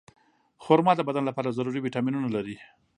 خرما د بدن لپاره ضروري ویټامینونه لري.